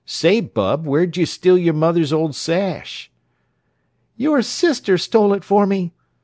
Say, bub, where'd you steal your mother's ole sash!" "Your sister stole it for me!"